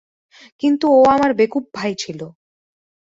কিন্তু ও আমার বেকুব ভাই ছিল।